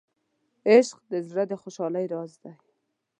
عشق د زړه د خوشحالۍ راز دی.